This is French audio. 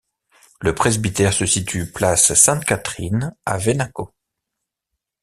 Le presbytère se situe place Sainte-Catherine à Venaco.